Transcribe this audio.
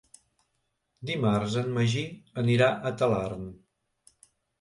Dimarts en Magí anirà a Talarn.